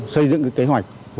xây dựng kế hoạch